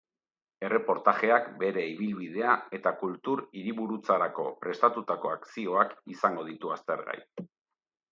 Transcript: Erreportajeak bere ibilbidea eta kultur hiriburutzarako prestatutako akzioak izango ditu aztergai.